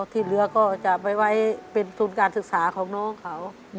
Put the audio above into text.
ที่เหลือก็จะไปไว้เป็นทุนการศึกษาของน้องเขา